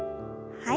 はい。